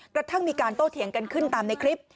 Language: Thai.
กระทั่งมีการโต้เถียงกันขึ้นตามในคลิป